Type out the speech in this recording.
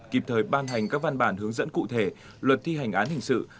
kịp thời ban hành các văn bản hướng dẫn cụ thể luật thi hành án hình sự